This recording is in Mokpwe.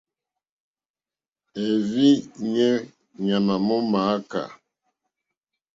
È rzí ɲɔ́ ŋmá mó mááká.